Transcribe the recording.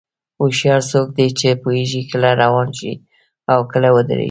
هوښیار څوک دی چې پوهېږي کله روان شي او کله ودرېږي.